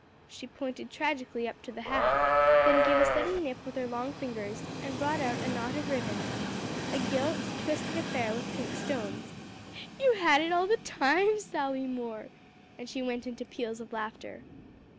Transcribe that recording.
She pointed tragically up to the hat, then gave a sudden nip with her long fingers, and brought out of a knot of ribbon, a gilt, twisted affair with pink stones. "You had it all the time, Sally Moore," and she went into peals of laughter.